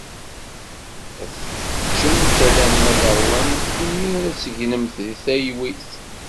Ad teččemt alamma teṛwamt imir ad tegnemt di talwit.